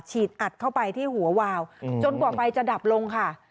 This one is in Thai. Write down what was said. ฉีดอัดเข้าไปที่หัววาวจนกว่าไฟจะดับลงค่ะ